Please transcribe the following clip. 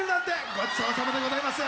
ごちそうさまでございます。